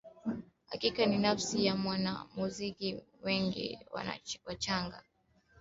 Hakika ni nafasi ya wanamuziki wengi wachanga kujifunza